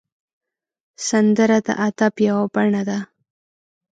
سندره د ادب یو بڼه ده